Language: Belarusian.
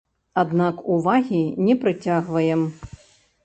Аднак увагі не прыцягваем.